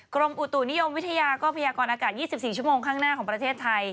กรมอุตุนิยมวิทยาก็พยากรอากาศ๒๔ชั่วโมงข้างหน้าของประเทศไทย